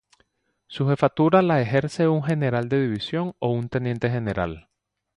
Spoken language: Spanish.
Su jefatura la ejerce un general de división o un teniente general.